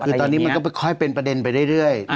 คือตอนนี้มันก็ค่อยเป็นประเด็นไปเรื่อย